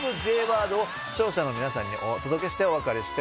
Ｊワードを視聴者の皆さんにお届けしてお別れしております。